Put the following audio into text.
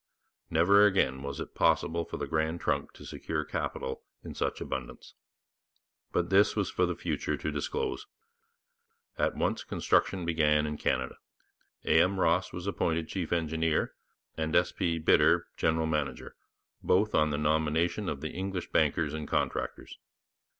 Never again was it possible for the Grand Trunk to secure capital in such abundance. But this was for the future to disclose. At once construction began in Canada. A. M. Ross was appointed chief engineer, and S. P. Bidder general manager, both on the nomination of the English bankers and contractors.